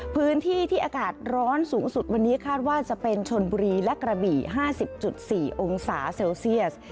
พื้นที่ที่อากาศร้อนสูงสุดวันนี้คาดว่าจะเป็นชนบุรีและกระบี่๕๐๔องศาเซลเซียส